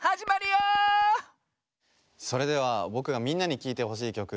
それではぼくがみんなにきいてほしいきょく